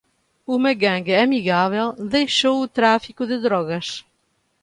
Uma gangue amigável deixou o tráfico de drogas.